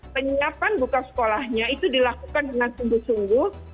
penyiapan buka sekolahnya itu dilakukan dengan sungguh sungguh